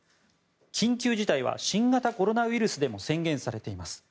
緊急事態は新型コロナウイルスでも宣言されています。